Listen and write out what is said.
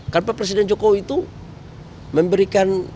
karena pak presiden jokowi itu memberikan